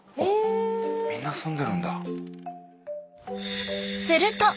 みんな住んでるんだ。